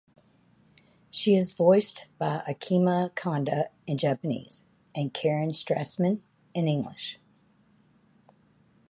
She is voiced by Akemi Kanda in Japanese and Karen Strassman in English.